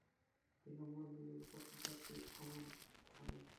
Coelom মন্দিরের প্রত্নতাত্ত্বিক খনন স্হানে।